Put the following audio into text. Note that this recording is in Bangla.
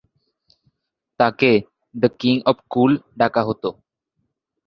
তাকে "দ্য কিং অব কুল" ডাকা হত।